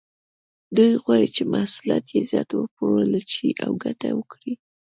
دوی غواړي چې محصولات یې زیات وپلورل شي او ګټه وکړي.